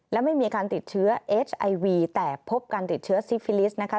และไม่มีการติดเชื้อเอสไอวีแต่พบการติดเชื้อซิฟิลิสต์นะคะ